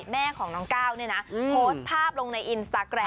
แม่ของน้องก้าวเนี่ยนะโพสต์ภาพลงในอินสตาแกรม